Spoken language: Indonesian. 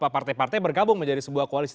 partai partai bergabung menjadi sebuah koalisi